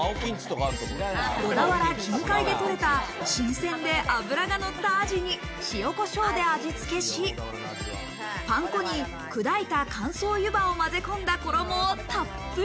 小田原近海で取れた新鮮で脂が乗ったアジに塩コショウで味つけし、パン粉に砕いた乾燥湯葉をまぜ込んだ衣をたっぷり。